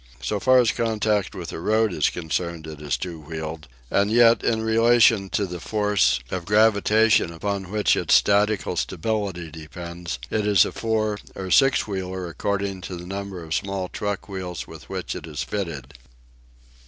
So far as contact with the road is concerned it is two wheeled; and yet, in its relation to the force of gravitation upon which its statical stability depends, it is a four or six wheeler according to the number of the small truck wheels with which it is fitted.